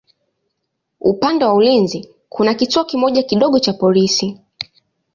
Upande wa ulinzi kuna kituo kimoja kidogo cha polisi.